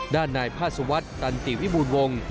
ด้านนายภาษาวัฒน์ตันติวิบูรวง